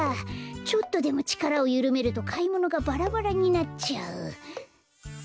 ちょっとでもちからをゆるめるとかいものがバラバラになっちゃう。